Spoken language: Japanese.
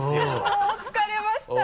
もう疲れました。